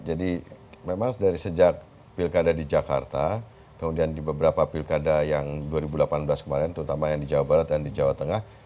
jadi memang dari sejak pilkada di jakarta kemudian di beberapa pilkada yang dua ribu delapan belas kemarin terutama yang di jawa barat dan di jawa tengah